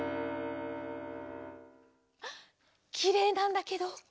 きれいなんだけど。